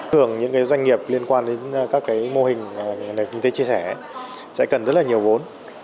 tưởng những doanh nghiệp liên quan đến các mô hình nền kinh tế chia sẻ sẽ cần rất là nhiều vốn